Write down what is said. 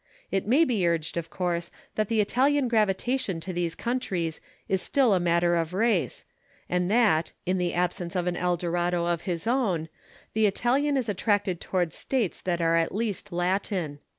It may be urged, of course, that the Italian gravitation to these countries is still a matter of race, and that, in the absence of an El Dorado of his own, the Italian is attracted towards States that are at least Latin.